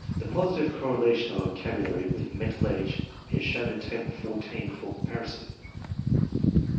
The positive correlation of vocabulary with mental age is shown in Table 14 for comparison.